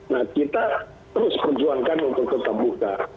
nah kita terus perjuangkan untuk tetap buka